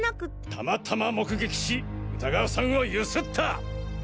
たまたま目撃し歌川さんをゆすった！